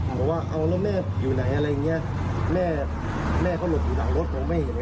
ผมบอกว่าเอาแล้วแม่อยู่ไหนอะไรอย่างเงี้ยแม่แม่เขาหลุดอยู่หลังรถผมไม่เห็น